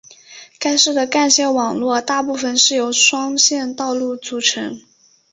该市的干线网络大部分是由双线道路组成。